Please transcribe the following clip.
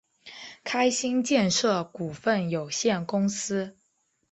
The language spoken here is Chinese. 开心建设股份有限公司